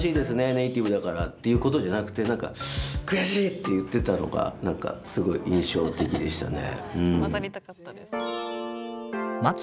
ネイティブだからっていうことじゃなくて悔しい！って言ってたのがなんかすごい印象的でしたね。